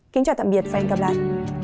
kính chào tạm biệt và hẹn gặp lại